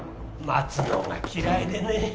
待つのが嫌いでね。